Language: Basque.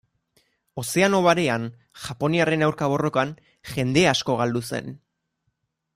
Ozeano Barean, japoniarren aurka borrokan, jende asko galdu zen.